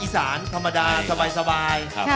อีสานธรรมดาสบายนะครับ